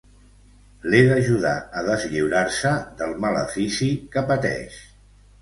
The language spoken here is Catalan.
L'he d'ajudar a deslliurar-se del malefici que pateix.